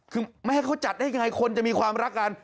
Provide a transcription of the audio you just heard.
คือไม่ให้เขาจัดได้ยังไงคนจะมีความรักกัน